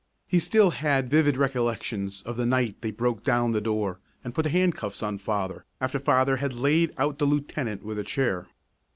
He still had vivid recollections of the night they broke down the door and put the handcuffs on father after father had laid out the lieutenant with a chair.